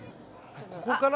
ここから。